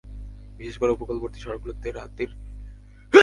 বিশেষ করে উপকূলবর্তী শহরগুলোতে রাত-দিন অনুষ্ঠান চলতে থাকে।